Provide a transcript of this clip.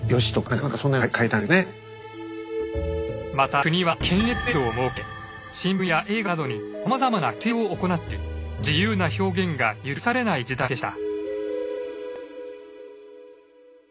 また国は検閲制度を設け新聞や映画などにさまざまな規制を行っており自由な表現が許されない時代でした。